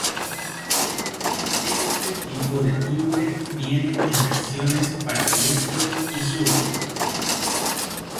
Este tipo de timbre viene en versiones para diestros y zurdos.